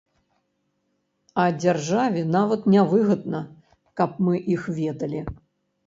А дзяржаве нават не выгадна, каб мы іх ведалі.